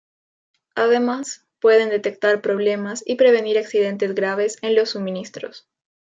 Además, pueden detectar problemas y prevenir accidentes graves en los suministros.